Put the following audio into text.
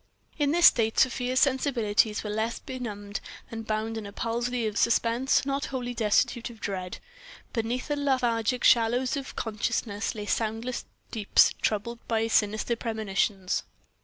In this state Sofia's sensibilities were less benumbed than bound in a palsy of suspense not wholly destitute of dread; beneath the lethargic shallows of consciousness lay soundless deeps troubled by sinister premonitions....